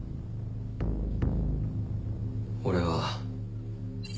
俺は。